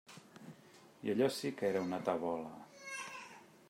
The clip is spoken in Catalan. I allò sí que era una tabola.